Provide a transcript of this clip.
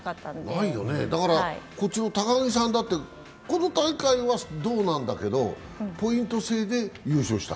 こっちの高木さんだってこの大会は銅なんだけど、ポイント制で優勝した。